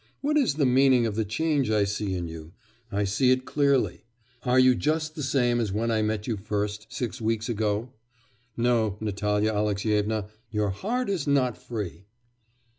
What is the meaning of the change I see in you? I see it clearly. Are you just the same as when I met you first, six weeks ago? No, Natalya Alexyevna, your heart is not free.